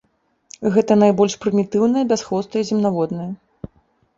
Гэта найбольш прымітыўныя бясхвостыя земнаводныя.